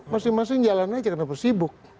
masing masing jalan saja karena bersibuk